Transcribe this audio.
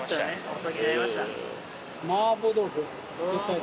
お酒に合いました。